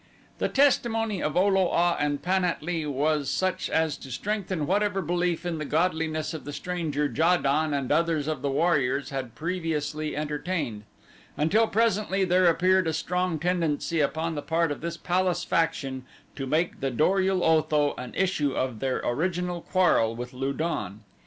The testimony of O lo a and Pan at lee was such as to strengthen whatever belief in the godliness of the stranger Ja don and others of the warriors had previously entertained, until presently there appeared a strong tendency upon the part of this palace faction to make the Dor ul otho an issue of their original quarrel with Lu don.